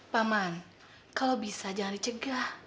paman kalau bisa jangan dicegah